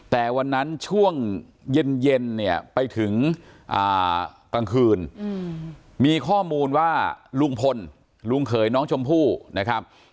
แต่วันนั้นช่วงเย็นเนี่ยไปถึงกลางคืนมีข้อมูลว่าลุงพลลุงเขยน้องชมพู่นะครับ